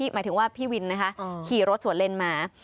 หมายถึงว่าพี่วินนะคะขี่รถสวนเล่นมา